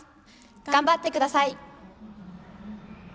頑張ってください。